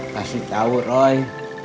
kasih tau roy